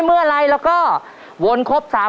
ตัวเลือกที่สองวนทางซ้าย